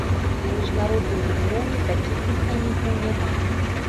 На міжнародным узроўні такіх механізмаў няма.